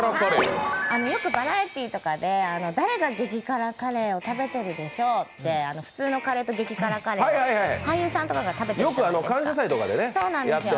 よくバラエティーとかで誰が激辛カレーを食べてるでしょうって普通のカレーと激辛カレーを俳優さんとかが食べてるじゃないですか。